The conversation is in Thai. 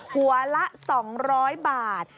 หัวละ๒๐๐บาท